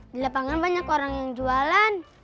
di lapangan banyak orang yang jualan